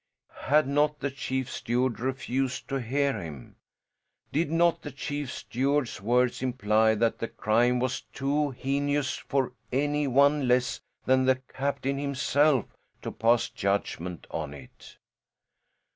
Had not the chief steward refused to hear him? Did not the chief steward's words imply that the crime was too heinous for any one less than the captain himself to pass judgment on it?